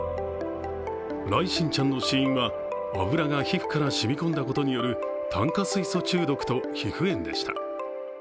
來心ちゃんの死因は、油が皮膚から染み込んだことによる炭化水素中毒と皮膚炎でした。